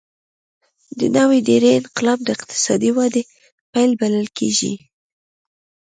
د نوې ډبرې انقلاب د اقتصادي ودې پیل بلل کېږي.